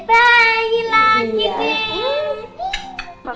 bye lagi dek